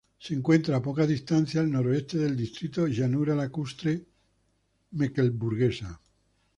Se encuentra a poca distancia al noroeste del distrito Llanura Lacustre Mecklemburguesa.